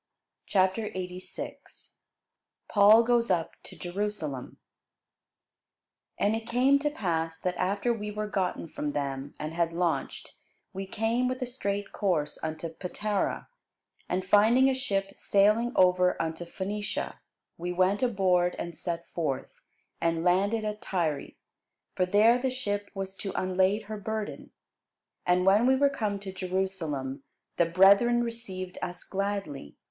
CHAPTER 86 PAUL GOES UP TO JERUSALEM [Sidenote: The Acts 21] AND it came to pass, that after we were gotten from them, and had launched, we came with a straight course unto Patara: and finding a ship sailing over unto Phenicia, we went aboard, and set forth, and landed at Tyre: for there the ship was to unlade her burden. And when we were come to Jerusalem, the brethren received us gladly.